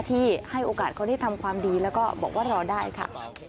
ที่ให้โอกาสเขาได้ทำความดีแล้วก็บอกว่ารอได้ค่ะ